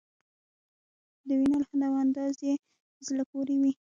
د وینا لحن او انداز یې په زړه پورې وي.